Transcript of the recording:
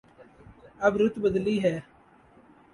اب رت بدلی ہے۔